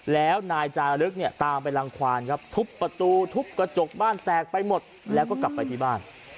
แล้วนายจารึกเนี่ยตามไปรังควานครับทุบประตูทุบกระจกบ้านแตกไปหมดแล้วก็กลับไปที่บ้าน